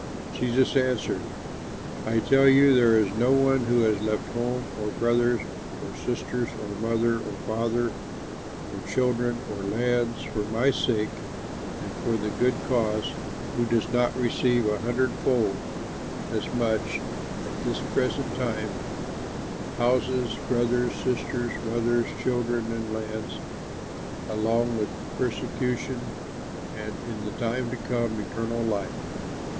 Jesus answered, "I tell you, there is no one who has left home or brothers or sisters or mother or father or children or lands for my sake and for the good cause, who does not receive a hundredfold as much at this present time: houses, brothers, sisters, mothers, children, and lands, along with persecution, and in the time to come eternal life.